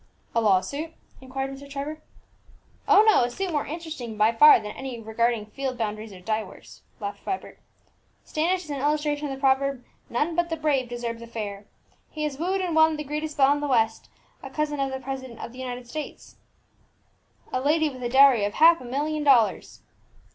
"A law suit?" inquired Mr. Trevor. "Oh no; a suit more interesting by far than any regarding field boundaries or dye works!" laughed Vibert. "Standish is an illustration of the proverb, 'None but the brave deserve the fair.' He has wooed and won the greatest belle in the West, a cousin of the president of the United States, a lady with a dowry of half a million of dollars!"